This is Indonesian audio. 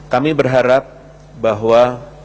kami berharap bahwa